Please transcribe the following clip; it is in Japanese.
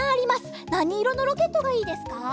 なにいろのロケットがいいですか？